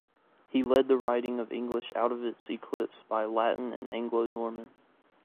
He led the writing of English out of its eclipse by Latin and Anglo-Norman.